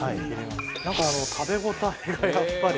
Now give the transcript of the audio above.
なんか食べ応えがやっぱり。